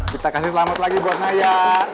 kita kasih selamat lagi buat saya